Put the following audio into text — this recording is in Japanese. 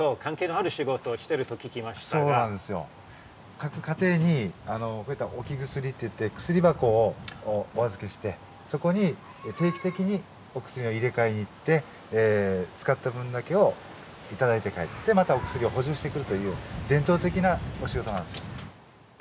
各家庭にこういった置き薬っていって薬箱をお預けしてそこに定期的にお薬を入れ替えに行って使った分だけを頂いて帰ってまたお薬を補充してくるという伝統的なお仕事なんですよ。